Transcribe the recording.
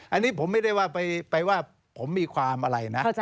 อันนี้ผมไม่ได้ว่าไปว่าผมมีความอะไรนะ